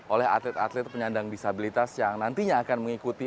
oleh atlet atlet penyandang disabilitas yang nantinya akan mengikuti